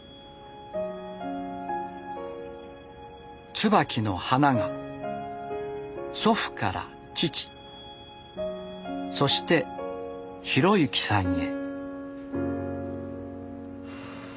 椿の花が祖父から父そして浩之さんへ。